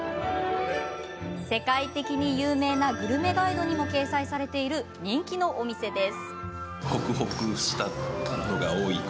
世界的に有名なグルメガイドにも掲載されている人気のお店です。